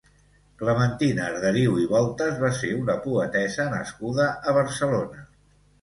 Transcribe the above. Clementina Arderiu i Voltas va ser una poetessa nascuda a Barcelona.